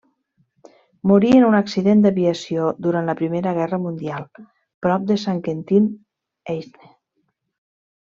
Morí en un accident d'aviació durant la Primera Guerra Mundial prop de Saint-Quentin, Aisne.